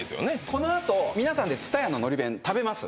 このあと皆さんで津多屋ののり弁食べます